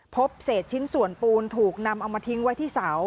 พบเศษชิ้นส่วนปูนถูกนำเอามาทิ้งไว้ที่เสา